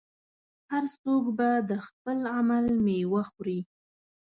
هر څوک به د خپل عمل میوه خوري.